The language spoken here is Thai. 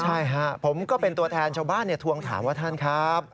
ใช่ฮะผมก็เป็นตัวแทนชาวบ้านทวงถามว่าท่านครับ